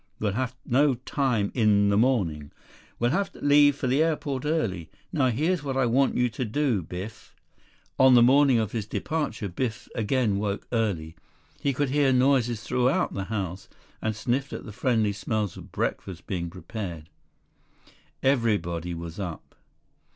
We'll have no time in the morning. We'll have to leave for the airport early. Now here's what I want you to do, Biff...." On the morning of his departure, Biff again woke early. He could hear noises throughout the house and sniffed at the friendly smells of breakfast being prepared. Everybody was up.